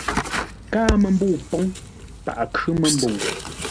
Káa məmbəu póŋ, paghʼə khʉ́ məmbəu.